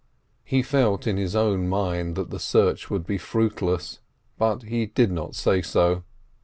He felt certain in his own mind that the search would be fruitless, but he did not say so.